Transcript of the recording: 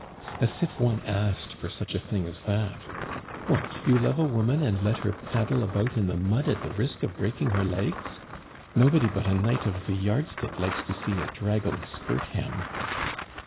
"As if one asked for such a thing as that? What! you love a woman and let her paddle about in the mud at the risk of breaking her legs? Nobody but a knight of the yardstick likes to see a draggled skirt hem."